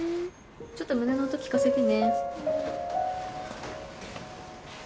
ちょっと胸の音聞かせてね。